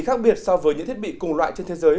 khác biệt so với những thiết bị cùng loại trên thế giới